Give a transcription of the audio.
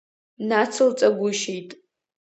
Нацылҵагәышьеит.